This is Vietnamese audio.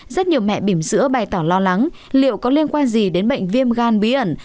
rất nhiều mẹ bìm sữa bày tỏ lo lắng liệu có liên quan gì đến bệnh viêm gan bí ẩn